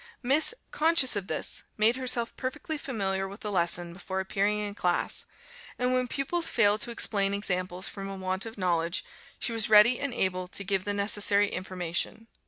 Miss , conscious of this, made herself perfectly familiar with the lesson before appearing in class, and when pupils failed to explain examples from a want of knowledge, she was ready and able to give the necessary information.